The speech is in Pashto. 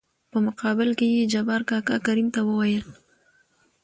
په مقابل کې يې جبار کاکا کريم ته وويل :